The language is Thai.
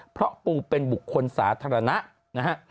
เพราะปูเป็นบุคคลสาธารณะนะฮะ